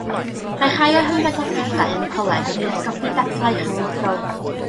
Mae rhai o'i hymddangosiadau yn y coleg wedi ysgogi dadlau rhyngwladol.